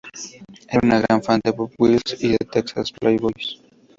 Era un gran fan de Bob Wills y de Texas Playboys.